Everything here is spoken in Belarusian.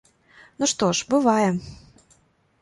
Ну, што ж, бывае.